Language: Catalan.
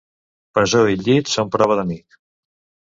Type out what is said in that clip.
Presó i llit són prova d'amic.